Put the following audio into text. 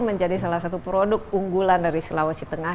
menjadi salah satu produk unggulan dari sulawesi tengah